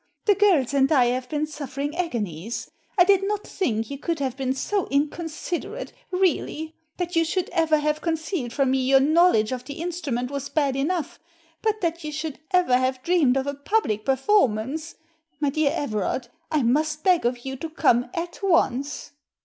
The girls and I have been suffering agonies; I did not think you could have been so inconsiderate, really. That you should ever have concealed from me your knowledge of the instru ment was bad enough, but that you should ever have dreamed of a public performance I My dear Everard, I must beg of you to come at once."